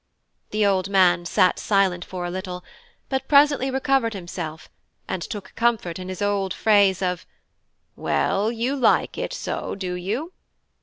The old man sat silent for a little, but presently recovered himself and took comfort in his old phrase of "Well, you like it so, do you?"